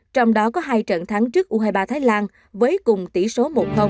trong đó có hai trận thắng trước u hai mươi ba thái lan với cùng tỷ số một